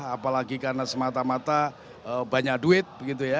apalagi karena semata mata banyak duit begitu ya